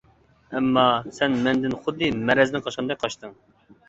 ئەمما، سەن مەندىن خۇددى مەرەزدىن قاچقاندەك قاچتىڭ.